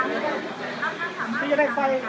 มันไหวมาก